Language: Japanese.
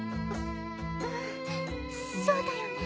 ううんそうだよね。